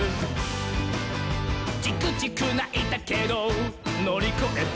「チクチクないたけどのりこえて」